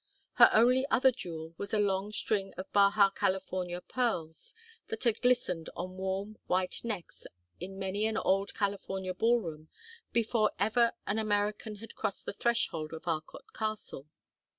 Her only other jewel was a long string of Baja California pearls that had glistened on warm white necks in many an old California ballroom before ever an American had crossed the threshold of Arcot Castle.